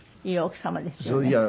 いい奥様ですよね。